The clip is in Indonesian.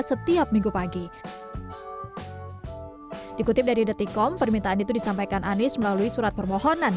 setiap minggu pagi dikutip dari detikom permintaan itu disampaikan anies melalui surat permohonan